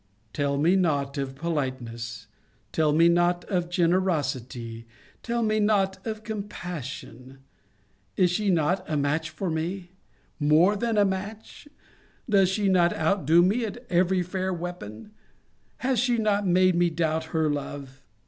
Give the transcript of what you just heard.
Tell me not of politeness; tell me not of generosity; tell me not of compassion Is she not a match for me? More than a match? Does she not outdo me at every fair weapon? Has she not made me doubt her love?